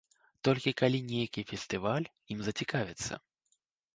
Толькі калі нейкі фестываль ім зацікавіцца.